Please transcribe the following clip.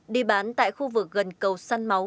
đi bán tại khu vực gần cầu săn máu